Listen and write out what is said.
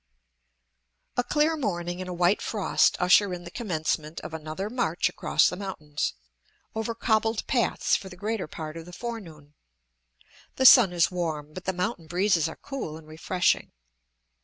A clear morning and a white frost usher in the commencement of another march across the mountains, over cobbled paths for the greater part of the forenoon. The sun is warm, but the mountain breezes are cool and refreshing.